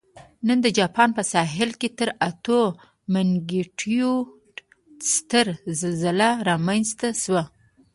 نن د جاپان ساحل کې تر اتو مګنیټیوډ ستره زلزله رامنځته شوې